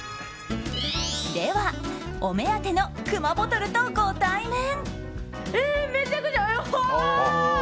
ではお目当てのくまボトルとご対面。